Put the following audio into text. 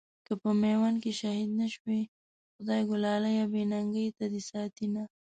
که په ميوند کې شهيد نه شوې، خدایږو لاليه بې ننګۍ ته دې ساتينه